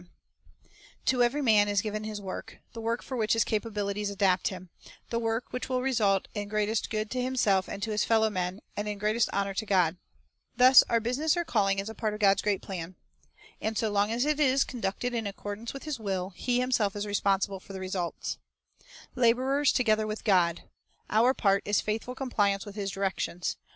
119:72. 1 38 The Bible as cm J\du eator "Be Not Anxious To every man is given "his work," 1 — the work for which his capabilities adapt him, — the work which will result in greatest good to himself and to his fellow men, and in greatest honor to God. Thus our business or calling is a part of God's great plan, and, so long as it is conducted in accordance with His will, He Himself is responsible for the results. " Laborers together with God,"" our part is faithful com pliance with His directions.